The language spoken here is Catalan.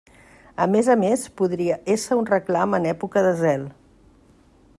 A més a més podria ésser un reclam en època de zel.